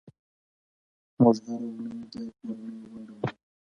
موږ هره اونۍ د کورنۍ غونډه لرو.